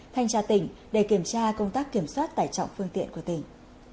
thanh tra tỉnh để kiểm tra công tác kiểm soát tải trọng phương tiện của tỉnh